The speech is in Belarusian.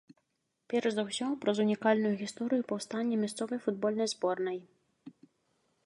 Перш за ўсё, праз унікальную гісторыю паўстання мясцовай футбольнай зборнай.